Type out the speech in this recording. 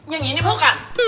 yang ini bukan